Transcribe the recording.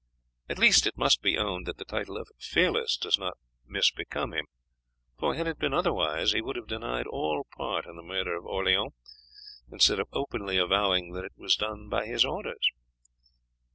At least it must be owned that the title of 'Fearless' does not misbecome him, for, had it been otherwise, he would have denied all part in the murder of Orleans, instead of openly avowing that it was done by his orders."